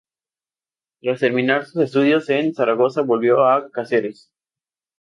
Tras terminar sus estudios en Zaragoza volvió a Cáceres.